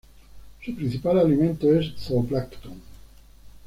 Su principal alimento es zooplancton.